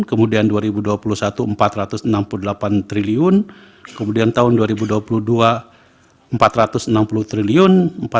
kemudian dua ribu dua puluh satu rp empat ratus enam puluh delapan triliun kemudian tahun dua ribu dua puluh dua rp empat ratus enam puluh triliun